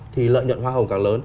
thì lợi nhuận hoa hồng càng lớn